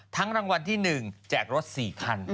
รางวัลที่๑แจกรถ๔คัน